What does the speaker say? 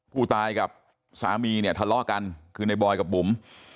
ผู้ตายกับสามีเนี่ยทะเลาะกันคือในบอยกับบุ๋ม